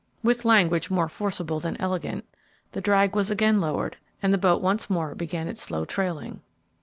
With language more forcible than elegant, the drag was again lowered, and the boat once more began its slow trailing.